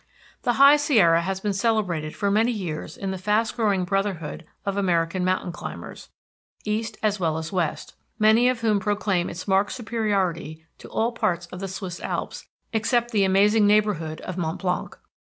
The High Sierra has been celebrated for many years in the fast growing brotherhood of American mountain climbers, east as well as west, many of whom proclaim its marked superiority to all parts of the Swiss Alps except the amazing neighborhood of Mont Blanc.